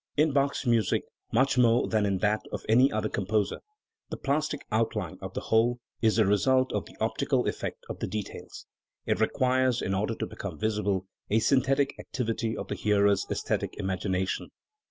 In Bach's music, much more than in that of any other composer, the plastic outline of the whole is the result of the optical effect of the details; it requires, in order to become visible, a synthetic activity of the hearer's aes thetic imagination.